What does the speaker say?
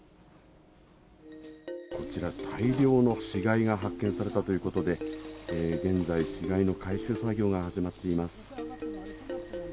こちら、大量の死骸が発見されたということで、現在、死骸の回収作業が始まっています。